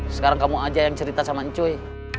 sekarang kamu aja yang cerita sama cuy